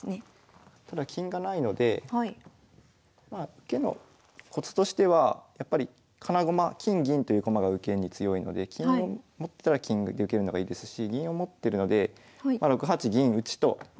受けのコツとしてはやっぱり金駒金銀という駒が受けに強いので金を持ってたら金で受けるのがいいですし銀を持ってるのでまあ６八銀打と受ける。